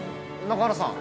中原さん。